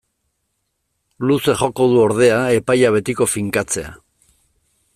Luze joko du, ordea, epaia betiko finkatzea.